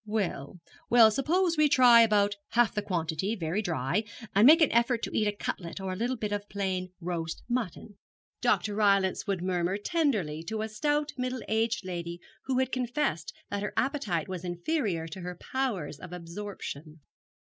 Well, well, suppose we try about half the quantity, very dry, and make an effort to eat a cutlet or a little bit of plain roast mutton, Dr. Rylance would murmur tenderly to a stout middle aged lady who had confessed that her appetite was inferior to her powers of absorption.